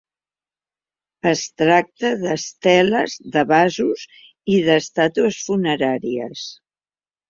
Es tracta d'esteles, de vasos i d'estàtues funeràries.